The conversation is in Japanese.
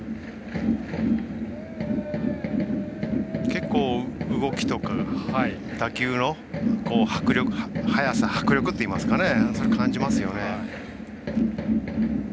結構、動きとか打球の速さ、迫力といいますか感じますよね。